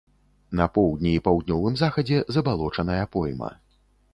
На поўдні і паўднёвым захадзе забалочаная пойма.